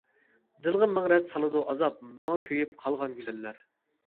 دىلغا مىڭ رەت سالىدۇ ئازاب، ماڭا كۆيۈپ قالغان گۈزەللەر.